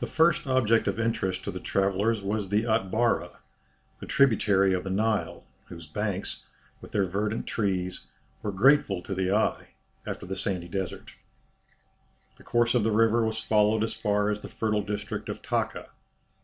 The first object of interest to the travellers was the Atbara, a tributary of the Nile, whose banks, with their verdant trees, were grateful to the eye after the sandy desert. The course of the river was followed as far as the fertile district of Taka.